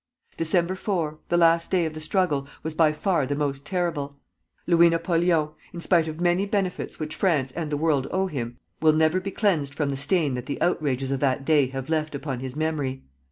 December 4, the last day of the struggle, was by far the most terrible. Louis Napoleon, in spite of many benefits which France and the world owe him, will never be cleansed from the stain that the outrages of that day have left upon his memory.